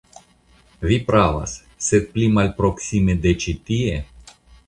Vi pravas; sed pli malproksime de ĉi tie?